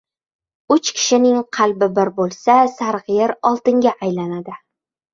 • Uch kishining qalbi bir bo‘lsa, sariq yer oltinga aylanadi;